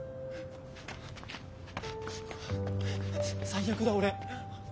最悪だ俺。